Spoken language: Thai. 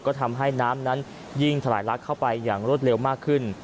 ก็ทำให้น้ำนั้นยิ่งถลายลักเข้าไปอย่างรวดเร็วมากขึ้น